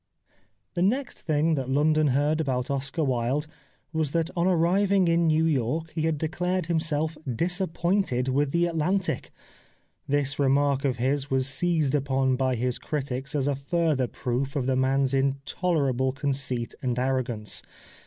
The next thing that London heard about Oscar Wilde was that on arriving in New York he had declared himself disappointed with the Atlantic. This remark of his was seized upon by his critics as a further proof of the man's intolerable conceit and arrogance.